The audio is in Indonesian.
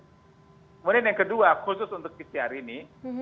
kemudian yang kedua khusus untuk pcr ini